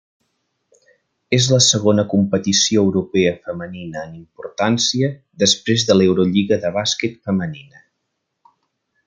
És la segona competició europea femenina en importància després de l'Eurolliga de bàsquet femenina.